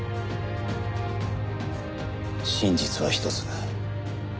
「真実は一つ」。